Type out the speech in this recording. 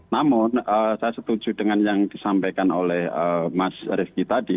namun saya setuju dengan yang disampaikan oleh mas rifki tadi